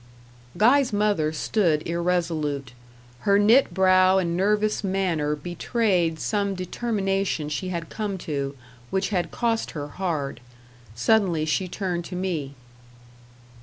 Guy's mother stood irresolute. Her knit brow and nervous manner betrayed some determination she had come to, which had cost her hard: suddenly she turned to me.